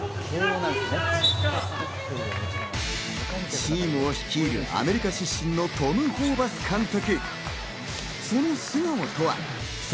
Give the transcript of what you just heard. チームを率いるアメリカ出身のトム・ホーバス監督。